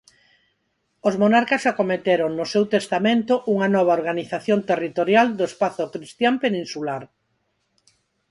Os monarcas acometeron no seu testamento unha nova organización territorial do espazo cristián peninsular.